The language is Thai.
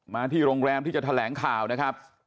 มาที่โรงแรมที่จะแถลงข่าวนะครับ